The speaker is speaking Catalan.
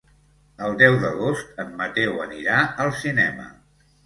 El deu d'agost en Mateu anirà al cinema.